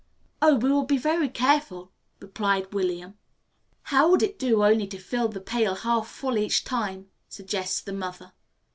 "Oh, we will be very careful," replied William. "How would it do only to fill the pail half full each time," suggests the mother.